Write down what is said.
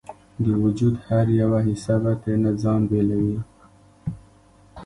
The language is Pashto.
د وجود هره یوه حصه به ترېنه ځان بیلوي